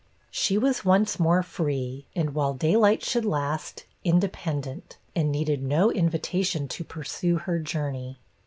She was once more free, and while daylight should last, independent, and needed no invitation to pursue her journey.